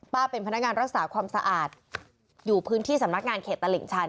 เป็นพนักงานรักษาความสะอาดอยู่พื้นที่สำนักงานเขตตลิ่งชัน